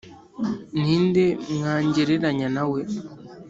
ni nde mwangereranya na we,